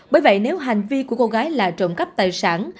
bởi vậy nếu hành vi của cô gái là trộm cắp tài sản